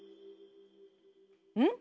うん？